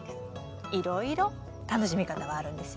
いろいろ楽しみ方はあるんですよ。